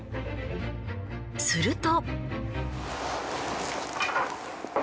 すると。